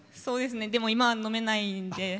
そうですねでも今飲めないんで。